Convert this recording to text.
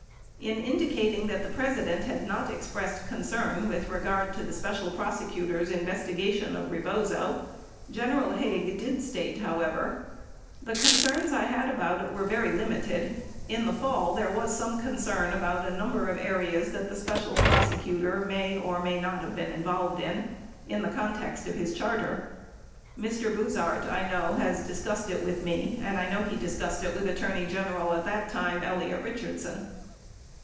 In indicating that the President had not expressed concern with regard to the Special Prosecutor's investigation of Eebozo, General Haig did state, however : The concerns I had about it were very limited. In the fall, there was some concern about a number of areas that the Spe cial Prosecutor may or may not have been involved in, in the context of his charter. Mr. Buzhardt, I know, has discussed it with me and I know he discussed it with the Attorney Gen eral at that time, Elliot Eichardson.